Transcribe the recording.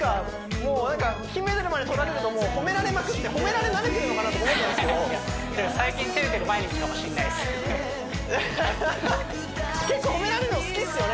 もうなんか金メダルまで取られるともう褒められまくって褒められ慣れてるのかなとか思ってたんですけどアッハッハッハッ結構褒められるの好きですよね